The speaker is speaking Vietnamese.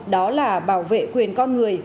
đó là bảo vệ quyền con người